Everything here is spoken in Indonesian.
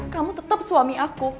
kamu tetap suami aku